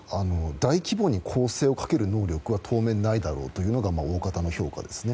大規模に攻勢をかける能力は当面ないだろうというのが大方の評価ですね。